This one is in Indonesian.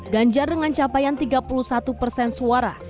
ganjar dengan capaian tiga puluh satu persen suara